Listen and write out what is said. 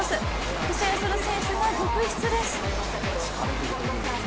苦戦する選手が続出です。